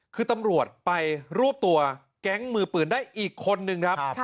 คือตำรวจไปรวบตัวแก๊งมือปืนได้อีกคนนึงครับ